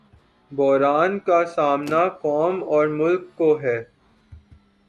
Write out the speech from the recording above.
بحران کا سامنا قوم اورملک کو ہے۔